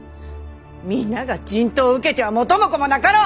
皆が人痘を受けては元も子もなかろう！